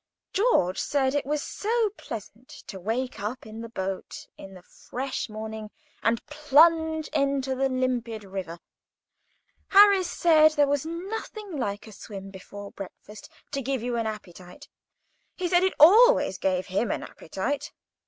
George said it was so pleasant to wake up in the boat in the fresh morning, and plunge into the limpid river. Harris said there was nothing like a swim before breakfast to give you an appetite. He said it always gave him an appetite.